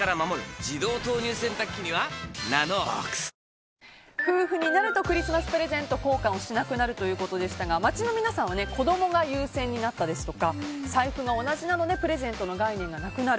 自動投入洗濯機には「ＮＡＮＯＸ」夫婦になるとクリスマスプレゼント交換をしなくなるということでしたが街の皆さんは子供が優先になったですとか財布が同じなのでプレゼントの概念がなくなる。